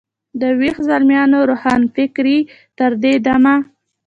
د ویښ زلمیانو روښانفکرۍ تر دې دمه.